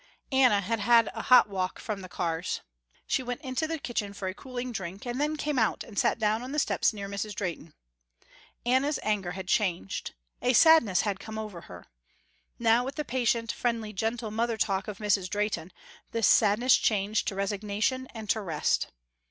Anna had had a hot walk from the cars. She went into the kitchen for a cooling drink, and then came out and sat down on the steps near Mrs. Drehten. Anna's anger had changed. A sadness had come to her. Now with the patient, friendly, gentle mother talk of Mrs. Drehten, this sadness changed to resignation and to rest.